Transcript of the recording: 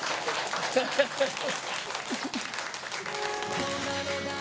ハハハハ。